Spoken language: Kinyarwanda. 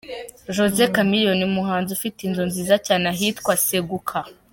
Jose Chameleone: Uyu muhanzi afite inzu nziza cyane ahitwa Seguka.